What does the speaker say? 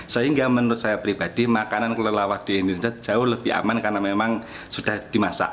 sehingga menurut saya pribadi makanan kelelawar di indonesia jauh lebih aman karena memang sudah dimasak